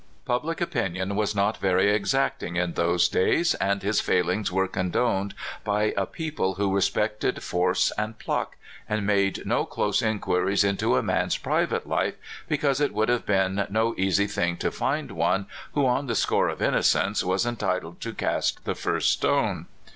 Public opinion was not ver}^ exacting in those days, and his failings were condoned by a people who respected force and pluck, and made no close inquiries into a man's private life, because it would have been no easy thing to find one who, on the score of innocence, was entitled to cast the first stone.